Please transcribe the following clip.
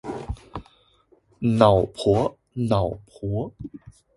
脑婆脑婆